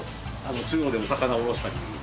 中央でも魚おろしたり。